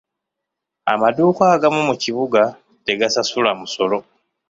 Amaduuka agamu mu kibuga tegasasula musolo.